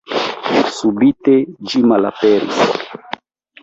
Subite ĝi malaperis.